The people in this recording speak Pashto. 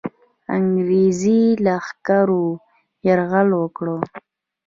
انګرېزي لښکرو یرغل وکړ.